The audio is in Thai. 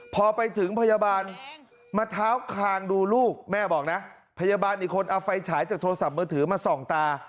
พอไปถึงพยาบาลมาเท้าคางดูลูกแม่บอกนะพยาบาลอีกคนเอาไฟฉายจากโทรศัพท์มือถือมาส่องตา